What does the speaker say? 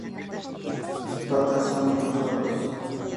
Sus patas son rosadas.